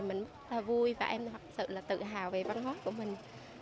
mình rất vui và em thật sự tự hào về văn hóa của mình